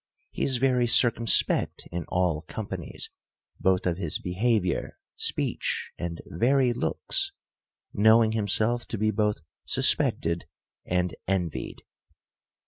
He is very circumspect in all companies, both of his behavior, speech, and very looks ; knowing himself to be both suspected and envied.